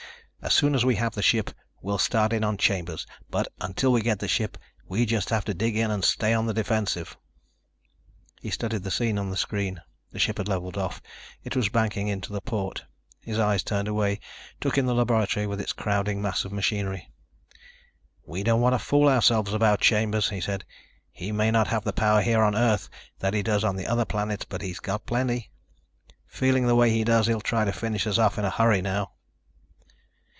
As soon as we have the ship we'll start in on Chambers; but until we get the ship, we just have to dig in and stay on the defensive." He studied the scene in the screen. The ship had leveled off, was banking in to the port. His eyes turned away, took in the laboratory with its crowding mass of machinery. "We don't want to fool ourselves about Chambers," he said. "He may not have the power here on Earth that he does on the other planets, but he's got plenty. Feeling the way he does, he'll try to finish us off in a hurry now."